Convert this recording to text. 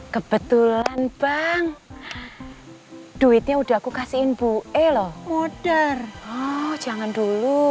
kebetulan bang duitnya udah aku kasihin bu elo moder jangan dulu